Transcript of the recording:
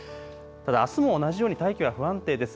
ただあすも同じように大気が不安定です。